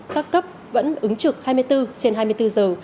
các cấp vẫn ứng trực hai mươi bốn trên hai mươi bốn giờ